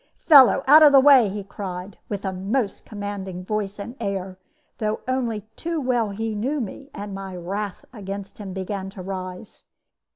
"'Fellow, out of the way!' he cried, with a most commanding voice and air, though only too well he knew me; and my wrath against him began to rise.